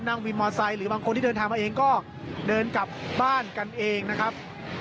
วินมอไซค์หรือบางคนที่เดินทางมาเองก็เดินกลับบ้านกันเองนะครับ